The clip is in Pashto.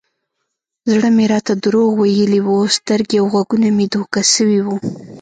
زړه مې راته دروغ ويلي و سترګې او غوږونه مې دوکه سوي وو.